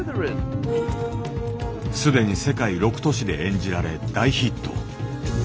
既に世界６都市で演じられ大ヒット。